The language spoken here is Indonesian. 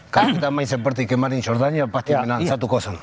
kalau kita main seperti kemarin sorotannya pasti menang satu